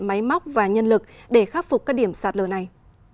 máy móc và nhân lực để khắc phục các điểm sạt lở này